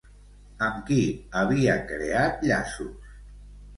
Amb qui havia creat llaços?